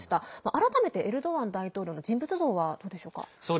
改めてエルドアン大統領の人物像はどうでしょうか？